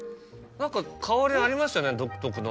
何か香りありますよね独特の。